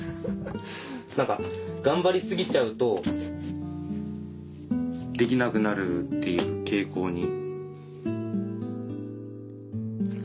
何か頑張り過ぎちゃうとできなくなるっていう傾向に。